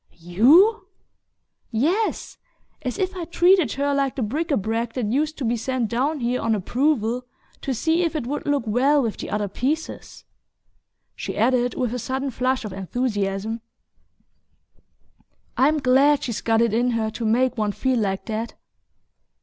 "YOU?" "Yes. As if I'd treated her like the bric a brac that used to be sent down here 'on approval,' to see if it would look well with the other pieces." She added, with a sudden flush of enthusiasm: "I'm glad she's got it in her to make one feel like that!"